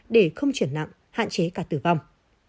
để không chuyển nặng hạn chế cả tử vong